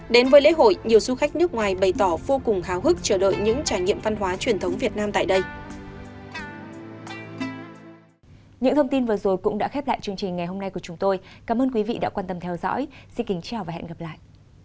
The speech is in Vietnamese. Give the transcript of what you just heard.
đến với lễ hội nhiều du khách nước ngoài bày tỏ vô cùng hào hức chờ đợi những trải nghiệm văn hóa truyền thống việt nam tại đây